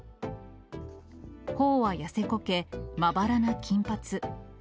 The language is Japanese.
ほおは痩せこけ、まばらな金髪。